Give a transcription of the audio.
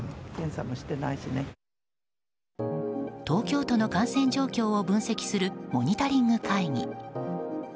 東京都の感染状況を分析するモニタリング会議。